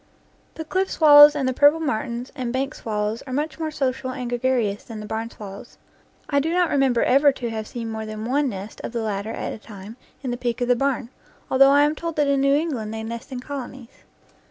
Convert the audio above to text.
The cliff swallows and the purple martins and bank swallows are much more social and gregarious than the barn swallows. I do not remember ever to have seen more than one nest of the latter at a time in the peak of the barn, though I am told that in New England they nest in colonies.